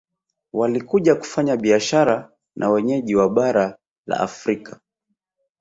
Walikuja kufanya biashara na wenyeji wa bara la Afrika